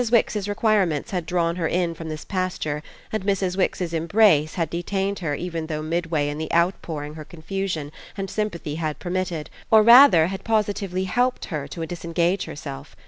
Wix's requirements had drawn her in from this pasture and Mrs. Wix's embrace had detained her even though midway in the outpouring her confusion and sympathy had permitted, or rather had positively helped, her to disengage herself.